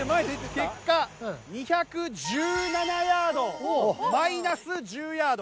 結果２１７ヤードマイナス１０ヤード。